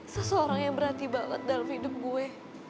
seseorang yang berani banget dalam hidup gue